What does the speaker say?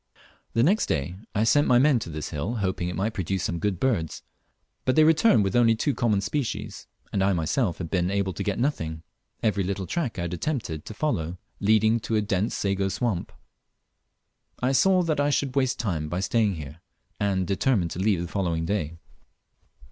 The next day I sent my men to this hill, hoping it might produce some good birds; but they returned with only two common species, and I myself had been able to get nothing; every little track I had attempted to follow leading to a dense sago swamp. I saw that I should waste time by staying here, and determined to leave the following day.